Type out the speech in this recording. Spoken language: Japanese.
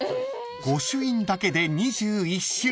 ［御朱印だけで２１種類］